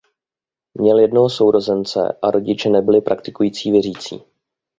Měl jednoho sourozence a rodiče nebyli praktikující věřící.